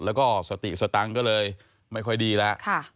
แล้วก็สติสตังค์ก็เลยไม่ค่อยดีแล้ว